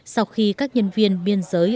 sau khi các nhân viên biên giới